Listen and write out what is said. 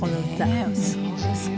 「ねえそうですか」